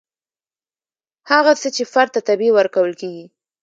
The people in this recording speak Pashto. هغه څه چې فرد ته طبیعي ورکول کیږي.